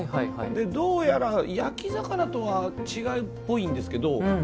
どうやら、焼き魚とは違うっぽいんですけど。